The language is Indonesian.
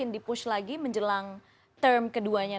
dc yang baru ya